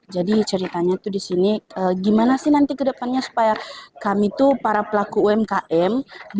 jadi ceritanya itu di sini gimana sih nanti ke depannya supaya kami itu para pelaku umkm